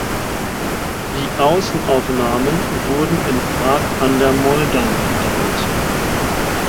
Die Außenaufnahmen wurden in Prag an der Moldau gedreht.